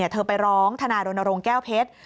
เธอไปร้องธนาโรนโรงแก้วเพชร